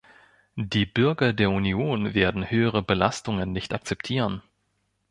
Die Bürger der Union werden höhere Belastungen nicht akzeptieren.